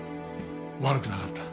悪くなかった